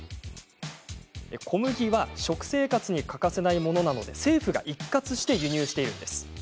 小麦は食生活に欠かせないものなので政府が一括して輸入しているんです。